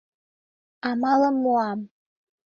Амалым муам.